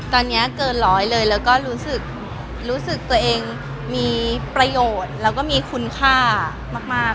ตอนนี้เกินร้อยเลยแล้วก็รู้สึกรู้สึกตัวเองมีประโยชน์แล้วก็มีคุณค่ามาก